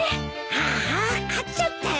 ああ勝っちゃったよ。